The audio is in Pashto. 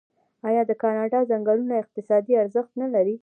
آیا د کاناډا ځنګلونه اقتصادي ارزښت نلري؟